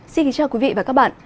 xin kính chào quý vị và các bạn